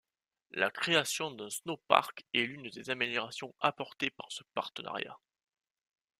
La création d'un snowpark est l'une des améliorations apportée par ce partenariat.